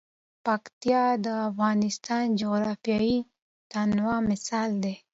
پکتیا د افغانستان د جغرافیوي تنوع مثال دی.